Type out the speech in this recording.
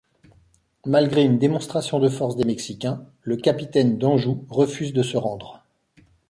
Malgré une démonstration de force des Mexicains, le capitaine Danjou refuse de se rendre.